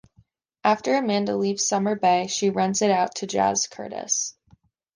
After Amanda leaves Summer Bay, she rents it out to Jazz Curtis.